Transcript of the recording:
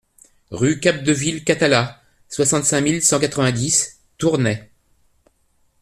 Rue Capdeville Cathala, soixante-cinq mille cent quatre-vingt-dix Tournay